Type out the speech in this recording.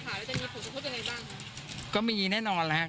แล้วจะมีผลประโยชน์เป็นไงบ้าง